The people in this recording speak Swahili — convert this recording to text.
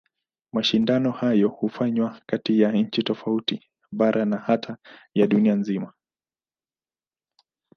Mashindano hayo hufanywa kati ya nchi tofauti, bara na hata ya dunia nzima.